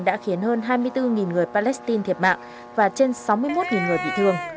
đã khiến hơn hai mươi bốn người palestine thiệt mạng và trên sáu mươi một người bị thương